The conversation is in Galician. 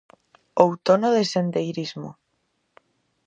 Outono de sendeirismo.